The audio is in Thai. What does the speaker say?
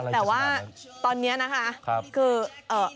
แต่ว่าตอนนี้นะคะคือ